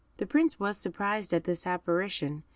The Prince was surprised at this apparition.